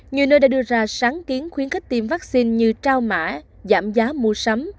nhiều nơi đã đưa ra sáng kiến khuyến khích tiêm vaccine như trao mã giảm giá mua sắm